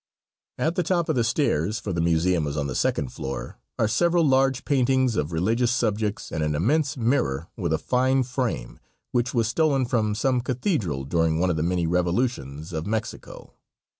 At the top of the stairs, for the museum is on the second floor, are several large paintings of religious subjects and an immense mirror with a fine frame, which was stolen from some cathedral during one of the many revolutions of Mexico.